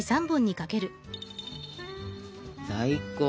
最高！